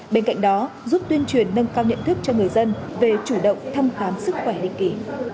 bên cạnh đó giúp tuyên truyền nâng cao nhận thức cho người dân về chủ động thăm khám sức khỏe định kỳ